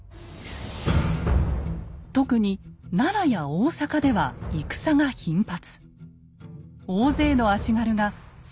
特に奈良や大坂では戦が頻発。